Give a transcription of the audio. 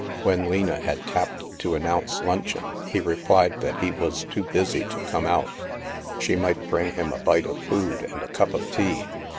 When Lena had tapped to an nounce luncheon, he replied that he was too busy to come out — she might bring him a bite of food and a cup of tea.